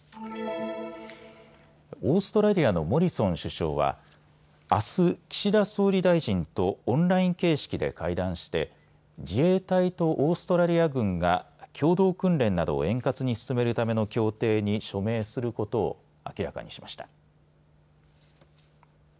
オーストラリアのモリソン首相はあす、岸田総理大臣とオンライン形式で会談して自衛隊とオーストラリア軍が共同訓練などを円滑に進めるための協定に署名することを明らかにしました。